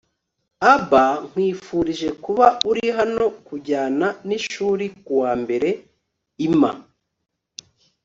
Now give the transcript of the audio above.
abba, nkwifurije kuba uri hano kujyana nishuri kuwa mbere. imma